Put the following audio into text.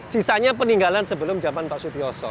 sisanya peninggalan sebelum zaman pak sutiyoso